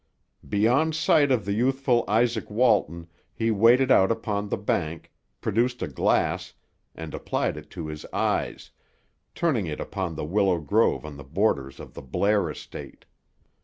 Beyond sight of the youthful Izaak Walton, he waded out upon the bank, produced a glass, and applied it to his eyes, turning it upon the willow grove on the borders of the Blair estate.